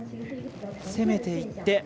攻めていって。